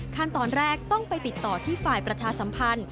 ขั้นตอนแรกต้องไปติดต่อที่ฝ่ายประชาสัมพันธ์